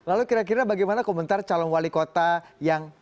lalu kira kira bagaimana komentar calon wali kota yang